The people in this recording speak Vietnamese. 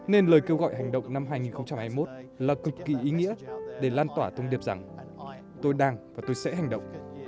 nên lời kêu gọi hành động năm hai nghìn hai mươi một là cực kỳ ý nghĩa để lan tỏa thông điệp rằng tôi đang và tôi sẽ hành động